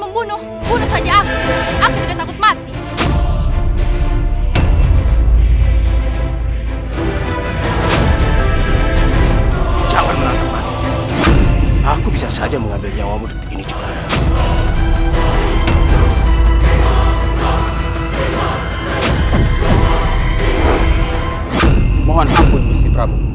mohon ampun gusti prabu